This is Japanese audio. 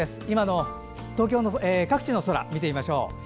今の各地の空、見てみましょう。